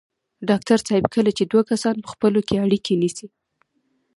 ډاکټر صاحب کله چې دوه کسان په خپلو کې اړيکې نیسي.